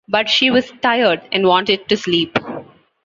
But she was tired, and wanted to sleep.